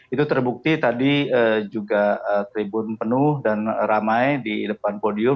itu terbukti tadi juga tribun penuh dan ramai di depan podium